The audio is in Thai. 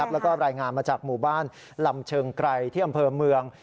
แล้วก็รายงานมาจากหมู่บ้านลำเชิงไกรที่อำเภอเมือง